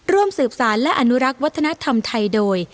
ร่วมสืบสารและอนุรักษ์วัฒนธรรมไทยโดย